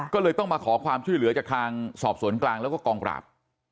ก็เลยต้องมาขอความช่วยเหลือจากทางสอบสวนกลางแล้วก็กองปราบ